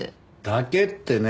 「だけ」ってね。